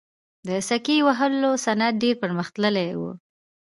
د سکې وهلو صنعت ډیر پرمختللی و